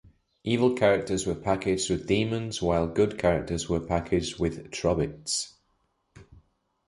Evil characters were packaged with demons while good characters were packaged with Trobbits.